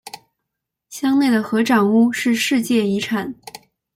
乡内的合掌屋是世界遗产。